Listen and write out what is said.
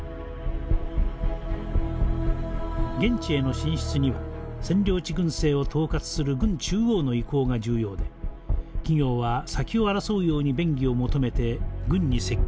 現地への進出には占領地軍政を統括する軍中央の意向が重要で企業は先を争うように便宜を求めて軍に接近しました。